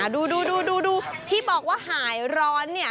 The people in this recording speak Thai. ดูที่บอกว่าหายร้อนเนี่ย